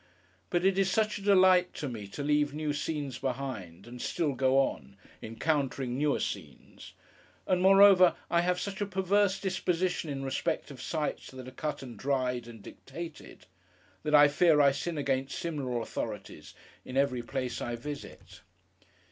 But it is such a delight to me to leave new scenes behind, and still go on, encountering newer scenes—and, moreover, I have such a perverse disposition in respect of sights that are cut, and dried, and dictated—that I fear I sin against similar authorities in every place I visit.